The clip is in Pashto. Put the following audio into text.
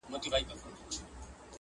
له باڼو تر ګرېوانه د اوښكو كور دئ،